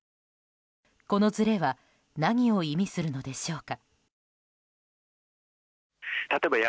このずれは何を意味するのでしょうか。